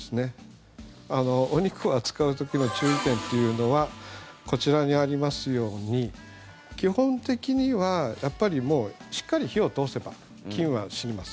お肉を扱う時の注意点っていうのはこちらにありますように基本的にはやっぱりもうしっかり火を通せば菌は死にます。